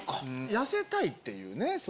痩せたいっていうね。